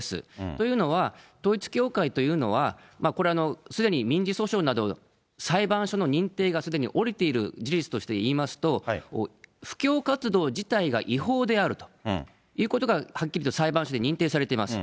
というのは、統一教会というのは、これはすでに民事訴訟など、裁判所の認定がすでに下りている事実として言いますと、布教活動自体が違法であるということがはっきりと裁判所で認定されています。